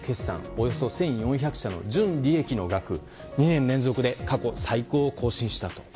およそ１４００社の純利益の額２年連続で過去最高を更新したと。